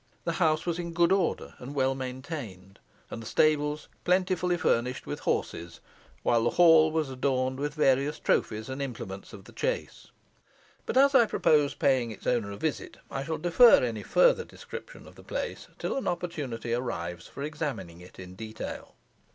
The house was in good order and well maintained, and the stables plentifully furnished with horses, while the hall was adorned with various trophies and implements of the chase; but as I propose paying its owner a visit, I shall defer any further description of the place till an opportunity arrives for examining it in detail.